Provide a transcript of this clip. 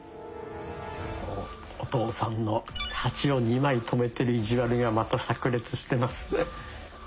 おお父さんの「８」を２枚止めてる意地悪がまたさく裂してます。